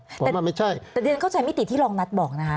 แต่เดี๋ยวเข้าใจมิติที่ลองนัดบอกนะฮะ